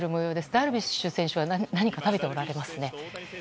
ダルビッシュ選手は何か食べていますね。